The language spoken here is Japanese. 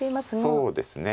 そうですね